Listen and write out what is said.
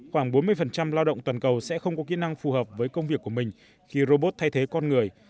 khoảng bốn mươi lao động toàn cầu sẽ không có kỹ năng phù hợp với công việc của mình khi robot thay thế con người